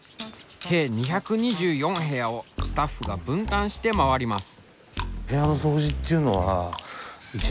計２２４部屋をスタッフが分担して回ります。